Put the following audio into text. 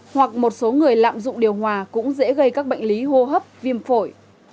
hoặc một số người lạm dụng điều hòa cũng dễ gây các bệnh lý hô hấp viêm phổi